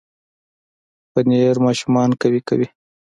پنېر ماشومان قوي کوي.